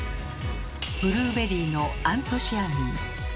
ブルーベリーの「アントシアニン」。